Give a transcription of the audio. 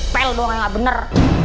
pel doang yang gak bener